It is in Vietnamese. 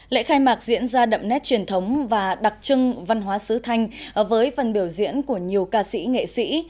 lễ khai mạc diễn ra đậm nét truyền thống và đặc trưng văn hóa sứ thanh với phần biểu diễn của nhiều ca sĩ nghệ sĩ